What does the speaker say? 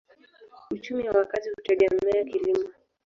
Uchumi ya wakazi hutegemea kilimo.